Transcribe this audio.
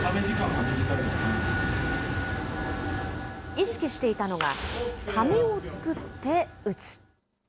意識していたのが、ためを作って打つ。